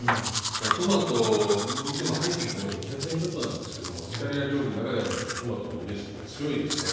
トマトでも入ってきてまだ２００年ちょっとなんですけどもイタリア料理の中ではトマトのイメージがやっぱり強いですね。